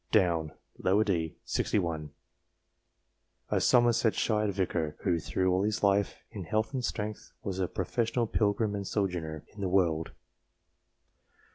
Downe, d. set. 61, a Somerset shire vicar, who through all his life, " in health and strength, was a professed pilgrim and sojourner" in the world.